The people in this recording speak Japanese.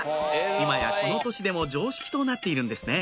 今やこの年でも常識となっているんですね